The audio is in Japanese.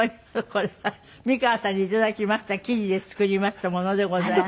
これは美川さんに頂きました生地で作りましたものでございます。